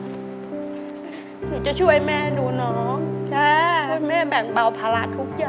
หนูจะช่วยแม่ดูน้องจ้าให้แม่แบ่งเบาภาระทุกอย่าง